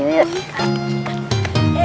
yuk yuk yuk